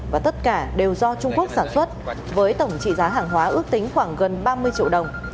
và tất cả đều do trung quốc sản xuất với tổng trị giá hàng hóa ước tính khoảng gần ba mươi triệu đồng